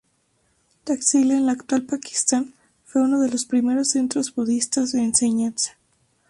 Taxila, en la actual Pakistán, fue uno de los primeros centros budistas de enseñanza.